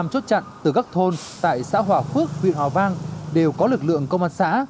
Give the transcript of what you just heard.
một trăm linh chốt chặn từ các thôn tại xã hòa phước huyện hòa vang đều có lực lượng công an xã